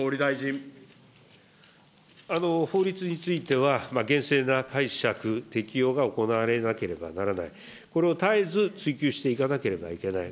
法律については、厳正な解釈、適用が行われなければならない、これを絶えずついきゅうしていかなければならない。